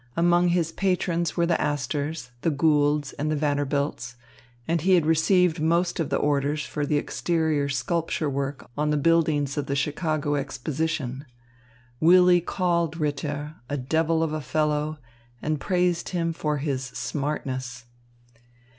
Among his patrons were the Astors, the Goulds, and the Vanderbilts; and he had received most of the orders for exterior sculpture work on the buildings of the Chicago Exposition. Willy called Ritter "a devil of a fellow," and praised him for his "smartness."